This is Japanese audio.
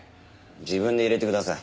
自分で入れてください。